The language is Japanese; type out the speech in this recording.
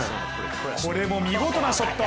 これも見事なショット。